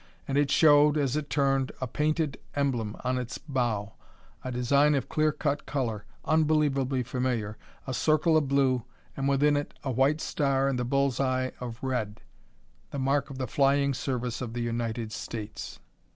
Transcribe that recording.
And it showed, as it turned, a painted emblem on its bow, a design of clear cut color, unbelievably familiar a circle of blue, and within it a white star and a bull's eye of red the mark of the flying service of the United States!